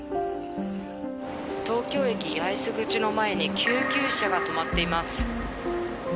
東京駅・八重洲口の前に救急車が止まっています。